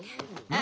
あ。